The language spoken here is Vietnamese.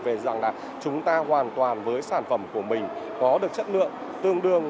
về rằng là chúng ta hoàn toàn với sản phẩm của mình có được chất lượng tương đương